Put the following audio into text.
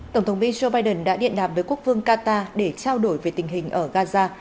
tổng thống biden đã điện đàm với quốc phương qatar để trao đổi về tình hình ở gaza